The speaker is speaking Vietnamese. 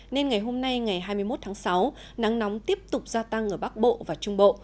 nên ngày hôm nay ngày hai mươi một tháng sáu nắng nóng tiếp tục gia tăng ở bắc bộ và trung bộ